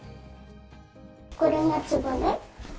これがつぼね。